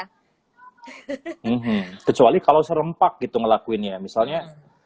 kecuali kalau serempak gitu ngelakuinnya misalnya